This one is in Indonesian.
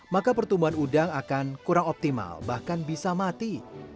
maka pertumbuhan udang akan kurang optimal bahkan bisa mati